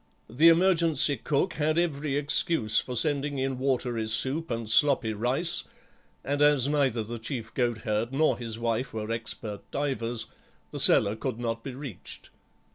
The emergency cook had every excuse for sending in watery soup and sloppy rice, and as neither the chief goat herd nor his wife were expert divers, the cellar could not be reached.